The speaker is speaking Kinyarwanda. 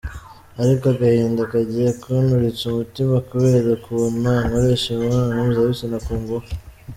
Ariko agahinda kagiye kunturitsa umutima kubera ukuntu ankoresha imibonano mpuzabitsina ku ngufu.